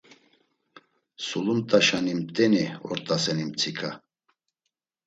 Sulumt̆aşani mt̆eni ort̆aseni mtsika?